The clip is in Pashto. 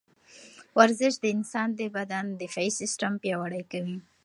ورزش د انسان د بدن دفاعي سیستم پیاوړی کوي.